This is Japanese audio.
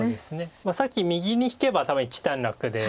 さっき右に引けば多分一段落で。